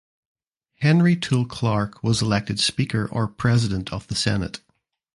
Henry Toole Clark was elected Speaker or President of the Senate.